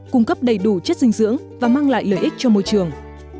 cung cấp đầy đủ chất dinh dưỡng và mang lại lợi ích cho môi trường